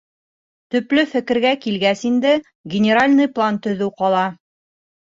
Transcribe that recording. Төплө фекергә килгәс инде. генеральный план төҙөү ҡала.